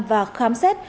và khám xét